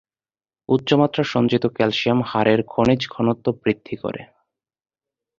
উচ্চ মাত্রার সঞ্চিত ক্যালসিয়াম হাড়ের খনিজ ঘনত্ব বৃদ্ধি করে।